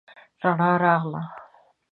رڼا راغله